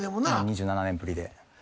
２７年ぶりで。